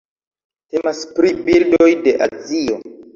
Temas pri birdoj de Azio.